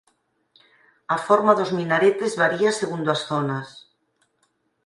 A forma dos minaretes varía segundo as zonas.